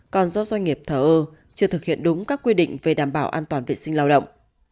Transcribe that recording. còn do doanh nghiệp thở ơ chưa thực hiện đúng các quy định về đảm bảo an toàn vệ sinh lao động